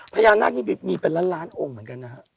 พญานาคนี้มีเป็นล้านล้านองค์เหมือนกันนะฮะ